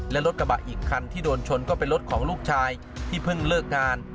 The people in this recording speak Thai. และรถกระบะอีกคันที่โดนชนก็เป็นรถของลูกชายที่เพิ่งเลิกงาน